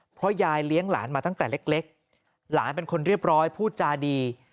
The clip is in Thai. เพราะยายเลี้ยงหลานมาตั้งแต่เล็กหลานเป็นคนเรียบร้อยพูดจาดี